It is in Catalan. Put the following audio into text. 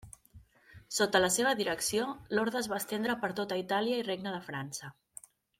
Sota la seva direcció, l'orde es va estendre per tota Itàlia i Regne de França.